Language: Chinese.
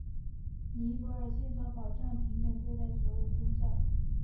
尼泊尔宪法保障平等对待所有宗教。